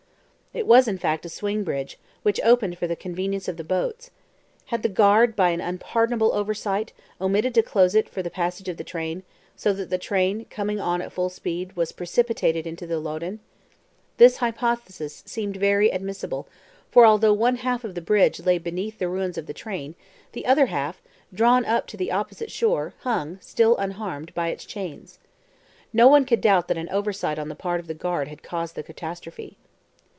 It was, in fact, a swing bridge, which opened for the convenience of the boats. Had the guard, by an unpardonable oversight, omitted to close it for the passage of the train, so that the train, coming on at full speed, was precipitated into the Loddon? This hypothesis seemed very admissible; for although one half of the bridge lay beneath the ruins of the train, the other half, drawn up to the opposite shore, hung, still unharmed, by its chains. No one could doubt that an oversight on the part of the guard had caused the catastrophe.